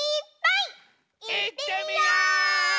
いってみよう！